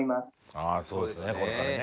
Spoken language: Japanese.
「ああそうですねこれからね」